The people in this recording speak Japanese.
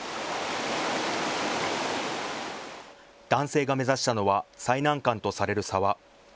男性が目指したのは最難関とされる沢。